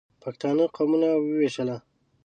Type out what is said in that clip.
پښتانه قومونه ووېشله.